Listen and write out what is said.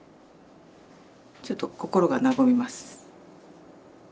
ちょっと心が和みます。